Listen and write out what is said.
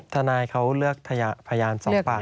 ทนายเขาเลือกพยานสองปาก